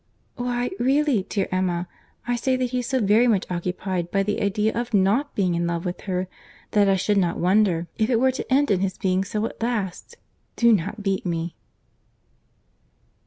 "Why, really, dear Emma, I say that he is so very much occupied by the idea of not being in love with her, that I should not wonder if it were to end in his being so at last. Do not beat me."